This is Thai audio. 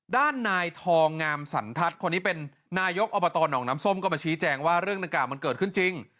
ด้านนายทองงามสันทัศน์คนนี้เป็นนายกอบตหนองน้ำส้มก็มาชี้แจงว่าเรื่องดังกล่าวมันเกิดขึ้นจริง